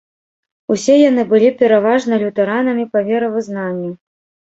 Усе яны былі пераважна лютэранамі па веравызнанню.